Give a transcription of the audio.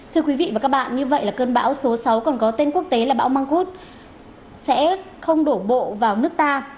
thưa quý vị và các bạn như vậy là cơn bão số sáu còn có tên quốc tế là bão mang khúc sẽ không đổ bộ vào nước ta